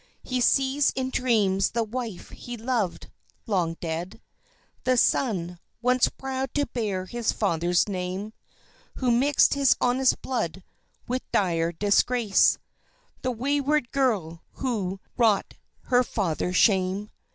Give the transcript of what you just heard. He sees in dreams the wife he loved long dead; The son once proud to bear his father's name Who mixed his honest blood with dire disgrace; The wayward girl who wrought her father shame